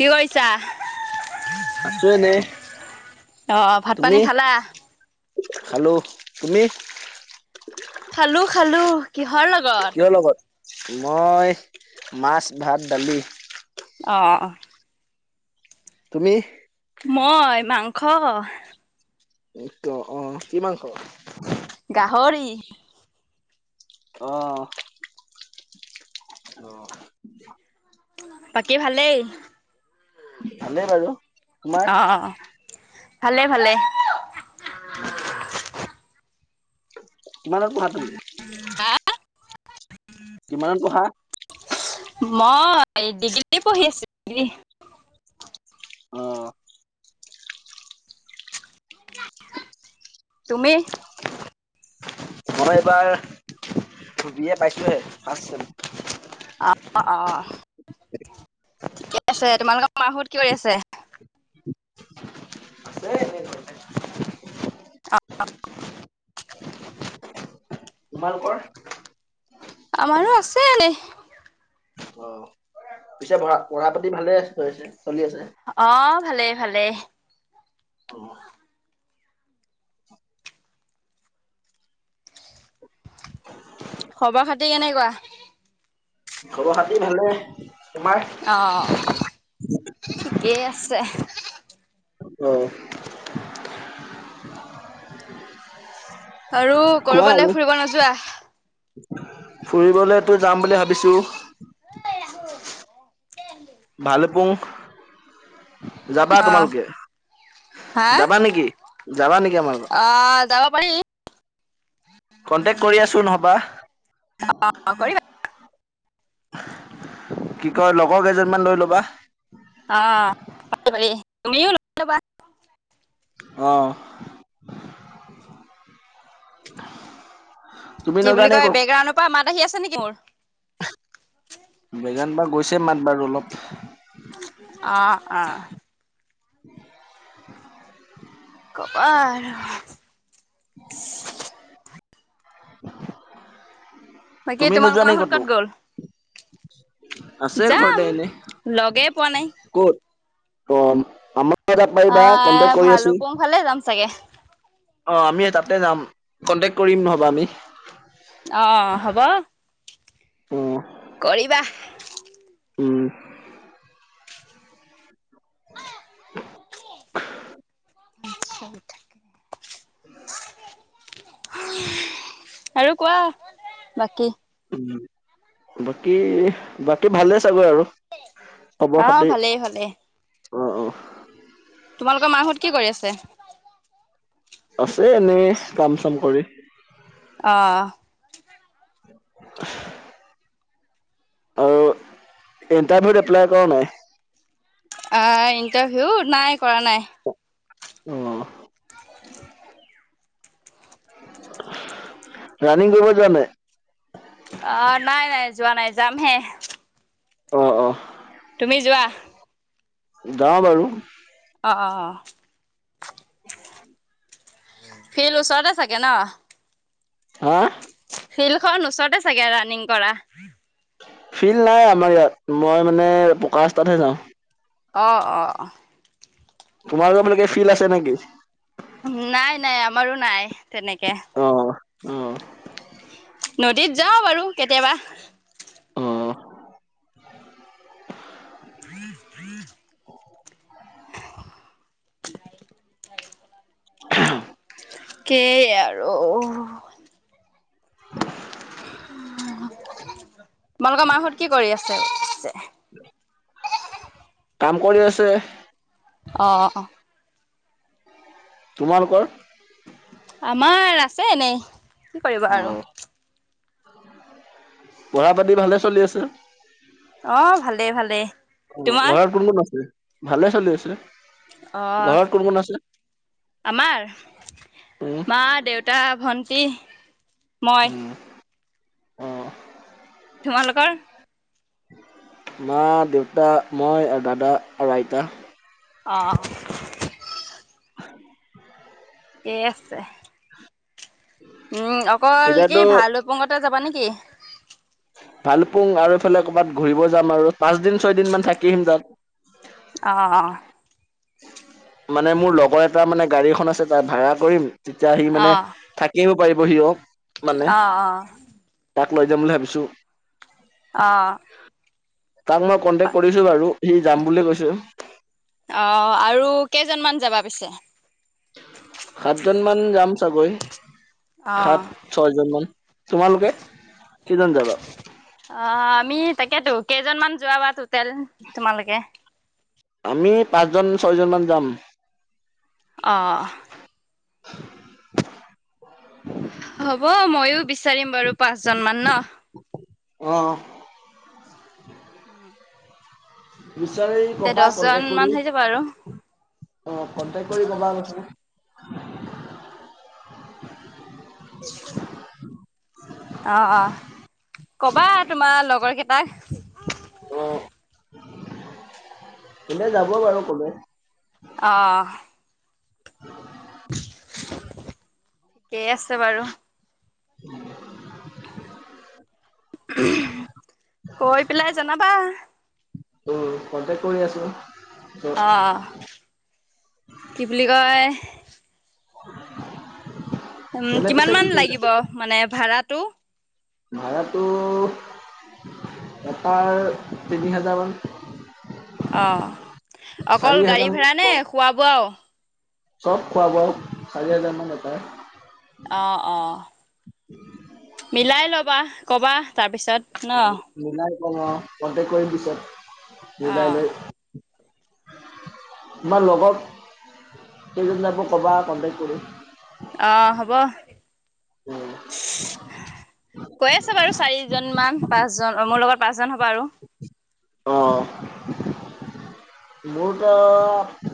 কি কৰিছা। আছো এনেই [unintelligible] আহ ভাত পানী খালা হেল্ল' তুমি খালো খালো কি কিহৰ লগত মই মাছ, ভাত, দালি অ। তুমি মই মাংস এই ত অ কিমান খবৰ। গাহৰি অ অ। বাকী ভালেই ভালে বাৰু তোমাৰ অ ভালে ভালে [unintelligible] মানে ক হাতৰি [unintelligible] কিমানত পঢ়া। অ ডিগ্ৰী পঢ়ি আছোঁ। অ তুমি মই এইবাৰ বি এ পাইছোঁহে ফাৰ্ষ চেম অ অ। ঠিকে আছে তোমালোকৰ মাহত কি কৰি আছে আছে ন অ তোমালোকৰ আমাৰো আছে এনেই অ, পিছে পঢা পঢ়া পাতি ভালেছে চলি আছে। ভালে - ভালে। অ', এতিয়া কেনেকুৱা। ঘৰ হাতে ভালে তোমাৰ অ ঠিকেই আছে। অ', আৰু কৰবালৈ ফুৰিব নোযোৱা। ফুৰিবলেতো যাম বুলি ভাবিছো। ভালে পুং যাবা অ তোমালোকে? হা? যাবা নেকি - যাবা নেকি আমাৰ অ যাব পাৰি। কনটেকট কৰি আছো নহ'বা। অ, কৰিবা। [unintelligible] কি কয় লগৰ কেইজনোৰ মান লৈ লবা। অ' তুমিও লৈ লবা। অহ ', কি বুলি কয় বেকগ্ৰাউণ্ডৰ পৰা মাত আহি আছে নেকি মোৰ। বেজান বা গৈছে মাত বাৰু অলপ। অহ - অহ। [inaudible] ক'ব আৰু। [inaudible] বাকী তুমি নোযোৱা তোমালোকৰ নে মাহত কতো? ক'ত গ'ল আছে যাম ঘৰতে এনে লগে পোৱা নাই ক'ত অ, আমাৰ পাৰিবা আহ কনটেক্ট কৰি আছো। ভালুপুং ফালে যাম চাগে অ, আমি তাতে যাম কন্টেক কৰিম নহ'বা আমি। অহ, হ'ব। অ কৰিবা। উম, [unintelligible] [unintelligible] উম, অ [unintelligible] উম, [unintelligible] আৰু কোৱা বাকী। বাকী- বাকী ভালে চাগৈ আৰু খবৰ অ, খাতি ভালেই - ভালেই। অ- অ। তোমালোকৰ মা হত কি কৰি আছে। আছে এনে কাম চাম কৰি। অহ ', আৰু ইণ্টাৰভিউত এপ্লাই কৰা নাই? আহ ইণ্টাৰভিউ নাই কৰা নাই। আহ। ৰাণিং কৰিব যোৱা নাই। অ নাই নাই যোৱা নাই যামহে। অ অ। তুমি যোৱা? যাও বাৰু। অ। ফিল ওচৰতে চাগে ন। হা- ফিল্ড খন ওচৰতে চাগে ৰানিং কৰা। ফিল্ড নাই আমাৰ ইয়াত মই মানে পকা ৰাস্তা তে যাওঁ। আহ অ। তোমাৰলোকৰ ফালে ফিল আছে নেকি? নাই নাই আমাৰো নাই তেনেকে। অঁ। নদীত যাওঁ বাৰু কেতিয়াবা। অ। [unintelligible] [unintelligible] সেই আৰু। [unintelligible] তোমালোকৰ মাহহত কি কৰি আছে? [inaudible] কাম কৰি আছে। অ অ। তোমালোকৰ? আমাৰ আছে এনেই কি কৰিব আৰু। অ' পঢ়া পাতি ভালে চলি আছে। অ', ভালেই ভালেই। অ তোমাৰ? ঘৰত পোন কোন আছিল ভালে চলি আছে। অ', ঘৰত কোন কোন আছে? আমাৰ উম মা, দেউতা ভন্টি মই। আহ। তোমালোকৰ? মা দেউতা মই আৰু দাদা আৰু আইতা। আহ। [unintelligible] ঠিকে আছে। উম অকল কি এতিয়াতো ভালুকপুংতে যাবা নেকি? ভালুকপুং আৰু এইফালে কৰ'ৰবাত ঘূৰিব যাম আৰু পাঁচদিন ছয় দিন ম থাকি আহিম তাত। অ। মানে মোৰ লগৰ এটা মানে গাড়ীখন আছে তাত ভাড়া কৰিম। তেতিয়া সি মানে থাকিয়ও পাৰিব সিও। আহ আহ। তাক লৈ যাম বুলি ভাবিছোঁ। আহ। তাক মই কন্টেক্ট কৰিছো বাৰু সি যাম বুলি কৈছে। অ আৰু কেইজনমান যাবা পিছে? সাতজন মান যাম চাগৈ। সাত অ' ছয়জন মান, তোমালোকে কেইজন যাবা? আ, আমি তাকেতো কেইজনমান যোৱাাবা টুটেল তোমালোকে। আমি পাঁচজন ছয়জনমানান যাম। অ'। হ'ব ময়ো বিচাৰিম বাৰু পাঁচ জন মান ন? অহ। উম। বিচাৰি কবা কণ্টেকট মান কৰি, হৈ যাব আৰু অ' কন্টেক কৰি কবা অলপ চলপ। [unintelligible] অ', অ', কবা তোমাৰ লগৰ কেইটাক। অ', সিহিন্তে কোলে যাব বাৰু কলে। অহ। [unintelligible] ঠিকেই আছে বাৰু। কৈ পেলাই জনাবা। উম কন্টেক কৰি আছো। অ', অ', কি বুলি কয়? উম, এনে কিমান পিছে কি মান কৰি লাগিব আছে মানে ভাড়াটো? ভাড়াটো, এটাৰ তিনি হাজাৰমান। অ' অকল গাড়ী হাজাৰ মান ভাড়া নে খোৱা বোৱাও? চব খোৱাও চাৰি হাজাৰমান এটাই। অ' অ' [unintelligible] মিলাই ল'বা কবা তাৰ পিছত। মিলাই কম অ' কনটেক্ট কৰিম পিছত, মিলাই অঁ লৈ। [unintelligible] তোমাৰ লগত কেইজন যাব ক'বা কণ্টেক কৰি। অ' হ'ব। কৈ আছে বাৰু চাৰিজন মান পাঁচজন মোৰ লগত পাঁচজন হ'ব আৰু। অ'। মোৰতো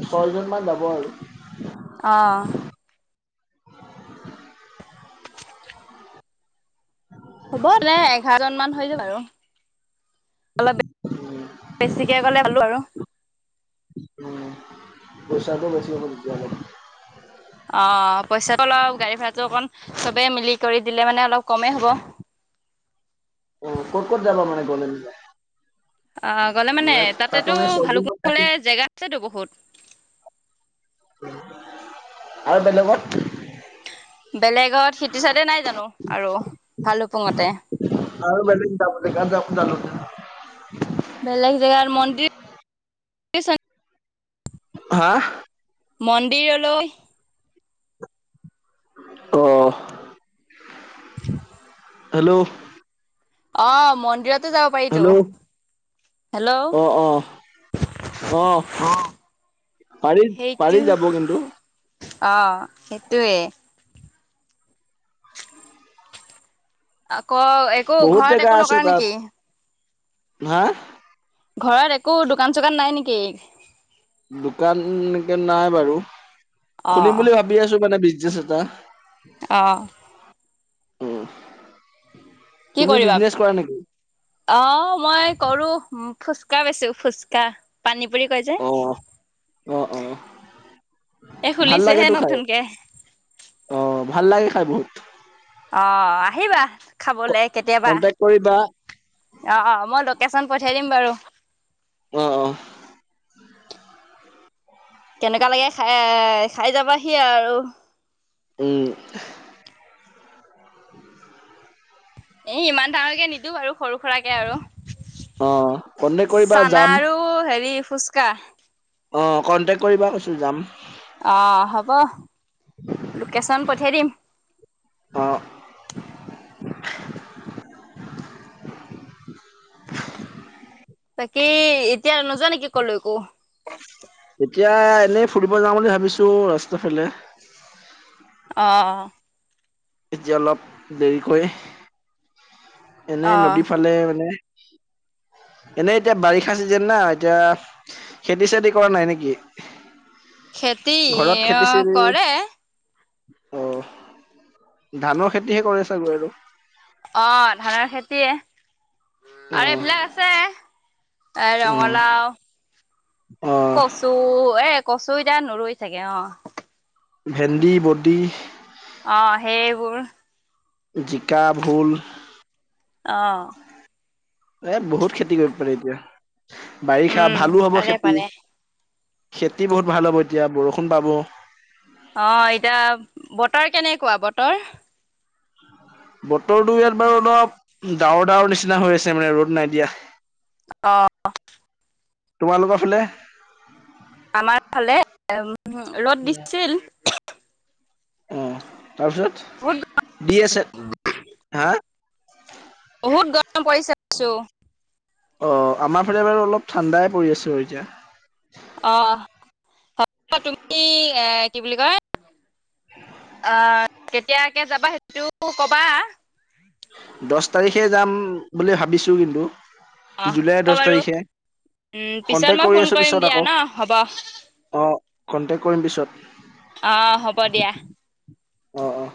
ছয়জনমান যাব আৰু। অ'। [unintelligible] চাৰিজন আৰু অলপ বেছিকে গলে ভালো আৰু। উ, পইচাটো বেছি হ'ব তেতিয়াহলে। অ' পইচাটো অলপ গাড়ী ভাড়াটো অকণ চবে মিলি কৰি দিলে মানে অলপ কমেই হ'ব। অ' ক'ত ক'ত যাবা মানে গলে মানে। অ' গ'লে মানে তাতো তাতেতো আমি ছয়দিন ভালুকপুং মান ফালে থাকিম জেগা আছেতো বহুত। আৰু বেলেগত? বেলেগত সিটো চাইডে নাই জানো আৰু ভালুুকপুঙতে। [unintelligible] বেলেগ জেগাত মন্দিৰ [unintelligible] হা? মন্দিৰলৈ। অ'। [unintelligible] হেল্ল। অ' মন্দিৰতো যাব পাৰিতো। হেল্ল' হেল্ল' অ', অ', অ'। পাৰি সেইটো পাৰি যাব কিন্তু অ সেইটোৱে আকৌ একো বহুত ঘৰত জেগা একো আছে নকৰা তাত নেকি হা ঘৰত একো দোকান চোকান নাই নেকি দোকান এনেকে নাই বাৰু খুলিম অ', বুলি ভাবি আছো মানে বিজ বিজনেছ এটা অ উ কি কৰিবা অ মই কৰো ফুচকা বেচো ফুচকা পানী পুৰী কয় অ অ অ যে এ ভাল খুলিছেহে লাগেতো খাই নতুনকে অ ভাল লাগে খাই বহুত অ আহিবা খাবলৈ কেতিয়াবা কন্টেক্ট কৰিবা অ মই লোকেশচন পঠিয়াই দিম বাৰু অ অ কেনেকুৱা লাগে খাই এ খাই যাবাহি আৰু উম এ ইমান ডাঙৰকে নিদো বাৰু সৰু সুৰাকে আৰু অ কন্টেক্ট কৰিবা চানা যাম আৰু হেৰি ফুচকা অ কণ্টেক্ট কৰিবা কৈছোঁ যাম অ হ'ব লোকেচন পঠিয়াই দিম অ বাকী এতিয়া নোযোৱা নেকি কলৈকো এতিয়া এনেই ফুৰিব যাওঁ বুলি ভাবিছো ৰাস্তা ফালে অ এতিয়া অলপ দেৰিকৈ এনেই অ', নদীৰ ফালে মানে এনেই এতিয়া বাৰিষা চিজন না এতিয়া খেতি চেতি কৰা নাই নেকি খেতি ঘৰত খেতি অ চেতি কৰে অ ধানৰ খেতিহে কৰে চাগৈ আৰু অ ধানৰ খেতিয়ে অ আৰু এইবিলাক আছে এ অ ৰঙালাও অ কচু এ কচু এতিয়া নোৰো চাগে অ ভেণ্ডি বডি বোৰ জিকা ভোল অ ইয়াত বহুত খেতি কৰিব পাৰে এতিয়া বাৰিষা উম, ভালো হব পাৰে খেতি পাৰে খেতি বহুত ভাল হ'ব এতিয়া বৰষুণ পাব অ এতিয়া বতৰ কেনেকুৱা বতৰ বতৰটো ইয়াত বাৰু অলপ ডাৱৰ ডাৱৰ নিচিনা হৈ আছে মানে ৰ'দ নাই দিয়া অ তোমালোকৰ ফালে আমাৰ ফালে উ ৰ'দ দিছিল উম বহুত তাৰপিছত দি আছে হা [unintelligible] অ আমাৰ ফালে বাৰু অলপ ঠাণ্ডাই পৰি আছে এতিয়া অ হব তুমি এ কি বুলি কয় অ' কেতিয়াকে যাবা সেইটো কবা। দহ তাৰিখে যাম বুলি ভাবিছো কিন্তু অ জুলাইৰ হ'ব দহ বাৰু তাৰিখে। উম পিছত কন্টেক্ট মই কৰি ফোন আছো কৰিম পিছত দিয়া আকৌ ন হ'ব। অ কন্টেক্ট কৰিম পিছত। অ হ'ব দিয়া অ' অ